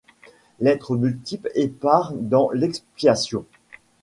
L’être multiple épars dans l’expiation